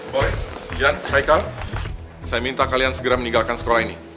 boy jan haikal saya minta kalian segera meninggalkan sekolah ini